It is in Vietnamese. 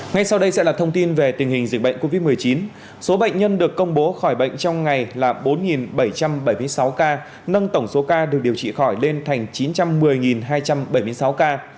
ngay sau đây sẽ là thông tin về tình hình dịch bệnh covid một mươi chín số bệnh nhân được công bố khỏi bệnh trong ngày là bốn bảy trăm bảy mươi sáu ca nâng tổng số ca được điều trị khỏi lên thành chín trăm một mươi hai trăm bảy mươi sáu ca